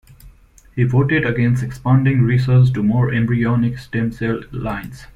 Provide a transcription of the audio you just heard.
He voted against expanding research to more embryonic stem cell lines.